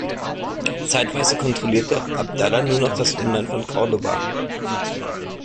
Zeitweise kontrollierte Abdallah nur noch das Umland von Córdoba.